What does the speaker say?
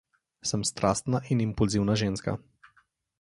Sem strastna in impulzivna ženska.